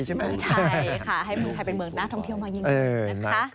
ตอนนี้ในรถเมล์ก็มีอยู่บ้าง